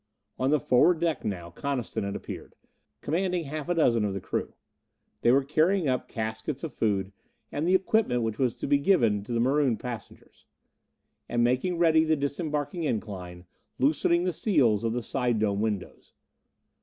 On the forward deck now Coniston had appeared, commanding half a dozen of the crew. They were carrying up caskets of food and the equipment which was to be given the marooned passengers. And making ready the disembarking incline, loosening the seals of the side dome windows.